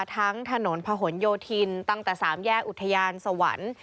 ทั้งถนนพะหนโยธินตั้งแต่๓แยกอุทยานสวรรค์